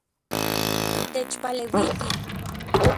Techpaleuiki.